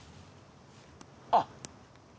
あっ！